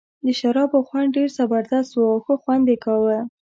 د شرابو خوند ډېر زبردست وو او ښه خوند یې کاوه.